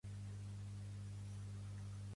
Pertany al moviment independentista la Pilar?